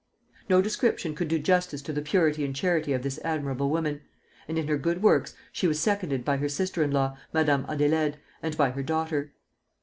No description could do justice to the purity and charity of this admirable woman; and in her good works she was seconded by her sister in law, Madame Adélaïde, and by her daughter.